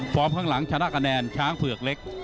ข้างหลังชนะคะแนนช้างเผือกเล็ก